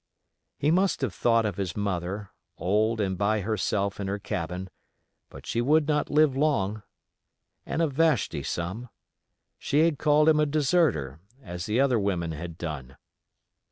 He must have thought of his mother, old and by herself in her cabin; but she would not live long; and of Vashti some. She had called him a deserter, as the other women had done.